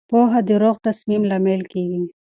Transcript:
پوهه د روغ تصمیم لامل کېږي.